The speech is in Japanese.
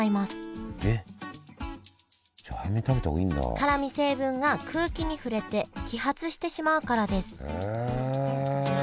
辛み成分が空気に触れて揮発してしまうからですへえ。